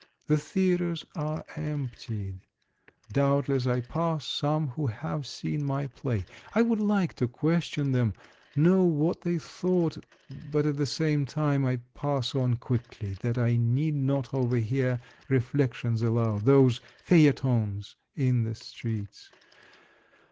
The theatres are emptied. Doubtless I pass some who have seen my play. I would like to question them, know what they thought, but at the same time I pass on quickly, that I need not overhear reflec tions aloud, whole feiiilletons in the streets.